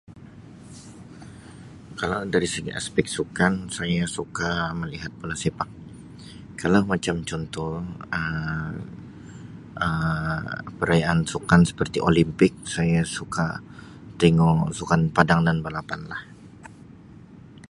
Kalau dari segi aspek sukan saya suka melihat bola sepak. Kalau macam contoh Um perayaan sukan seperti Olimpik, saya suka tengok sukan padang dan balapan lah.